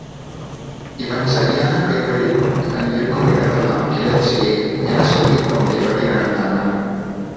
இவன் சரியான பேர்வழி இவன் இருக்கும் இடமெலாம் கிளர்ச்சியே எனச் சொல்லிக் கொண்டே வழி நடந்தனன்.